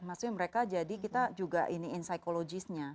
maksudnya mereka jadi kita juga iniin psikologisnya